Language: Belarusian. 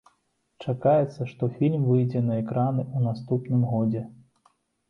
Чакаецца, што фільм выйдзе на экраны ў наступным годзе.